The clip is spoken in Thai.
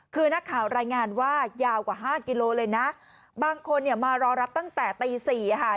คือนักข่าวรายงานว่ายาวกว่าห้ากิโลเลยนะบางคนเนี่ยมารอรับตั้งแต่ตีสี่ค่ะ